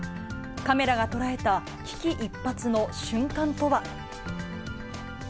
カメラが捉えた危機一髪の瞬間とは。